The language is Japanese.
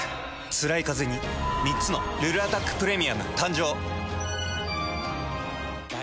つらいカゼに３つの「ルルアタックプレミアム」誕生。